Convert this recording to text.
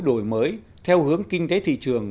đổi mới theo hướng kinh tế thị trường